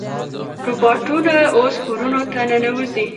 روباټونه اوس کورونو ته ننوځي.